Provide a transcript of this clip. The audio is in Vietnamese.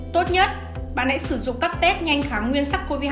tốt nhất bạn hãy sử dụng các test nhanh kháng nguyên sars cov hai